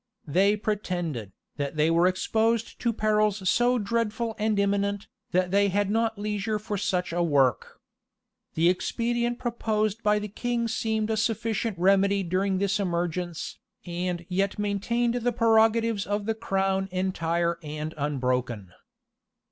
They pretended, that they were exposed to perils so dreadful and imminent, that they had not leisure for such a work.[] The expedient proposed by the king seemed a sufficient remedy during this emergence, and yet maintained the prerogatives of the crown entire and unbroken.